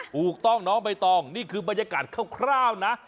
ถูกต้องน้องใบตองนี่คือบรรยากาศคร่าวนะ